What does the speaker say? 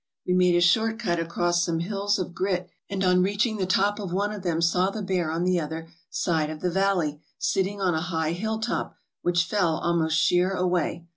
We made a short cut across some hills of grit, and on reaching the top of one of them saw the bear on the other side of the valley, sitting on a high hilltop, which fell almost sheer away.